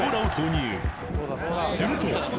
［すると］